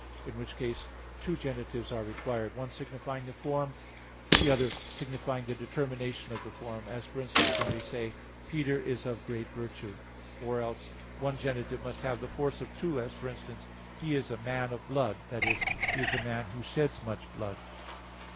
In which case two genitives are required, one signifying the form, and the other signifying the determination of the form, as, for instance, when we say, "Peter is of great virtue [magnae virtutis]," or else one genitive must have the force of two, as, for instance, "he is a man of blood" that is, he is a man who sheds much blood [multi sanguinis].